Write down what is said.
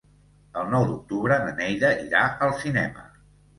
El nou d'octubre na Neida irà al cinema.